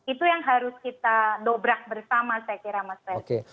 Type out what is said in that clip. itu yang harus kita dobrak bersama saya kira mas revo